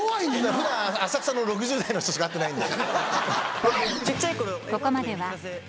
普段浅草の６０代の人しか会ってないんで。